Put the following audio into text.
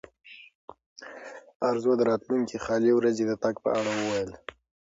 ارزو د راتلونکې خالي ورځې د تګ په اړه وویل.